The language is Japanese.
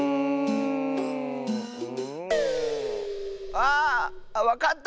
あわかった！